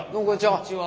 こんにちは。